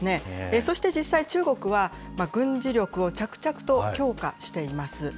そして実際、中国は、軍事力を着々と強化しています。